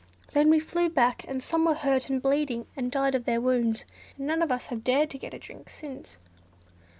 Then we flew back, and some were hurt and bleeding, and died of their wounds, and none of us have dared to get a drink since."